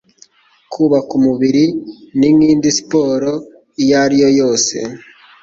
Kubaka umubiri ni nkindi siporo iyo ari yo yose.